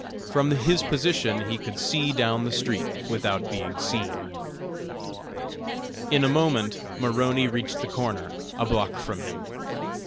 From his position he could see down the street without being seen. In a moment Maroney reached the corner, a block from him.